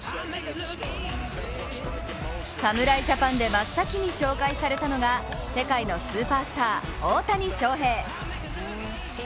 侍ジャパンで真っ先に紹介されたのが世界のスーパースター、大谷翔平。